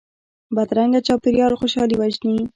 بدرنګه چاپېریال خوشحالي وژني